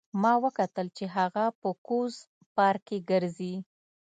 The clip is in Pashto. ما وکتل چې هغه په کوز پارک کې ګرځي